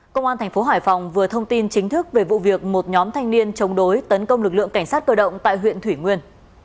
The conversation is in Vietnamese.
công an thành phố hải phòng vừa thông tin chính thức về vụ việc một nhóm thanh niên chống đối tấn công lực lượng cảnh sát cơ động tại huyện thủy nguyên